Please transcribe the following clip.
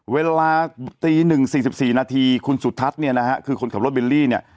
เวลาตี๑๔๔นาทีคุณสุทัศน์เนี่ยนะฮะคือคนขับรถเบลลี่เนี่ย